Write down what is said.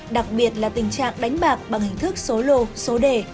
đặc biệt là tình trạng đánh bạc bằng hình thức số lô số đề